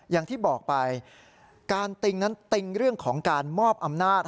อย่างที่บอกไปการติงนั้นติ้งเรื่องของการมอบอำนาจ